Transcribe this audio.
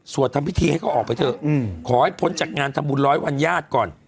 สวดทำพิทย์ให้เขาออกไปเถอะอืมขอให้ผลจากงานทำบุร้อยวันญาติก่อน